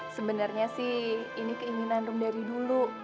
sebenarnya sih ini keinginan rum dari dulu